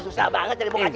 susah banget cari pokok aja